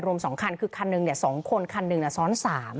๒คันคือคันหนึ่ง๒คนคันหนึ่งซ้อน๓